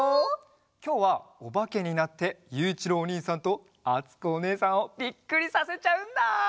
きょうはおばけになってゆういちろうおにいさんとあつこおねえさんをびっくりさせちゃうんだ。